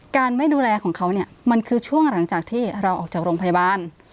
ไม่ดูแลของเขาเนี่ยมันคือช่วงหลังจากที่เราออกจากโรงพยาบาล